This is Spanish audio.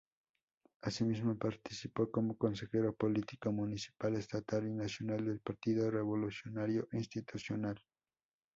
Asimismo participó como consejero político municipal, estatal y nacional del Partido Revolucionario Institucional.